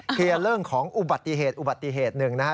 เคลียร์เรื่องของอุบัติเหตุหนึ่งนะฮะ